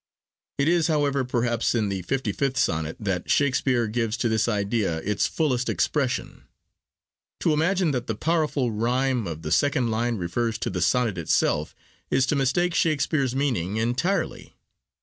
It is, however, perhaps in the 55th Sonnet that Shakespeare gives to this idea its fullest expression. To imagine that the 'powerful rhyme' of the second line refers to the sonnet itself, is to mistake Shakespeare's meaning entirely.